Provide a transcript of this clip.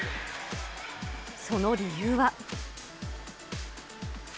その理由は。